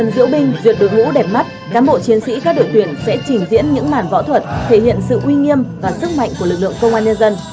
các bộ chiến sĩ các đội tuyển sẽ chỉnh diễn những màn võ thuật thể hiện sự uy nghiêm và sức mạnh của lực lượng công an nhân dân